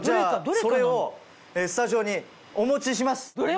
それをスタジオにお持ちします。